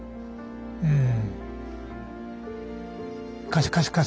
うん。